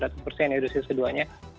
dari hasil keduanya